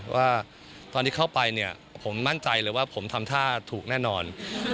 ว่าตอนที่เข้าไปเนี่ยผมมั่นใจเลยว่าผมทำท่าถูกแน่นอน